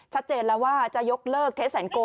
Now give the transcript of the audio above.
ชัดเจนแล้วว่าจะยกเลิกเทสแสนโก